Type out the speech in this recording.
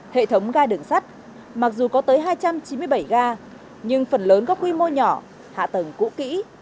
hệ thống ga đường sắt mặc dù có tới hai trăm chín mươi bảy ga nhưng phần lớn các quy mô nhỏ hạ tầng cũ kỹ